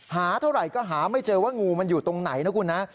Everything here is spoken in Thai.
หาเท่าไหร่ก็หาไม่เจอว่างูมันอยู่ตรงไหนนะคุณนะ